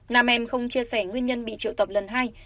nam em không chia sẻ nguyên nhân bị triệu tập lần hai